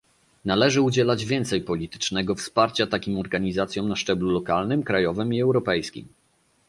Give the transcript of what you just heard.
Należy udzielać więcej politycznego wsparcia takim organizacjom na szczeblu lokalnym, krajowym i europejskim